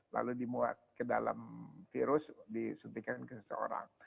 lalu dimuat ke dalam virus disuntikan ke seseorang